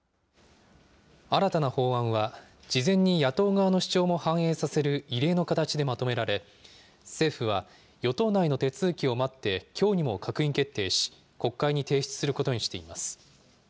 新たな法案は、事前に野党側の主張も反映させる異例の形でまとめられ、政府は、与党内の手続きを待ってきょうにも閣議決定し、国会に提出することにしています。